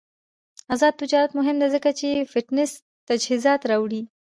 آزاد تجارت مهم دی ځکه چې فټنس تجهیزات راوړي.